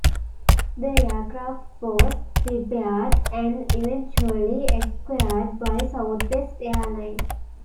The aircraft was repaired and eventually acquired by Southwest Airlines.